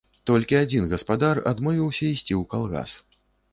Толькі адзін гаспадар адмовіўся ісці ў калгас.